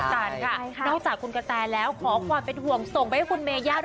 โทรตัวเองว่าท